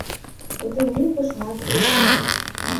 У тым ліку шмат дзяцей.